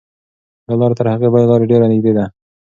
دا لاره تر هغې بلې لارې ډېره نږدې ده.